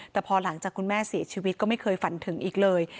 แต่พอหลังจากคุณแม่เสียชีวิตก็ไม่เคยฝันถึงอีกเลย